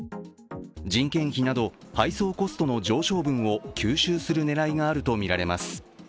人件費など配送コストの上昇分を吸収する狙いがあるとみられます。